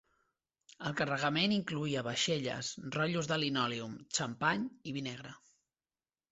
El carregament incloïa vaixelles, rotllos de linòleum, xampany i vi negre.